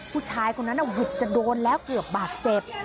ผู้ชายคนนั้นหวิดจะโดนแล้วเกือบบาดเจ็บ